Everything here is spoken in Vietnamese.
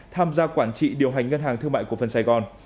tham gia quản trị điều hành ngân hàng thương mại cổ phần sài gòn